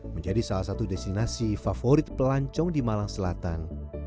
menjadi salah satu destinasi favorit pelancong di malang selatan